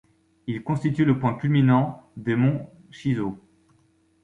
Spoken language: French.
Il constitue le point culminant des monts Chisos.